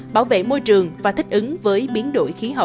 bảo vệ môi trường và thích ứng với biến đổi khí hậu